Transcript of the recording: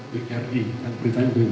bri kan beritanya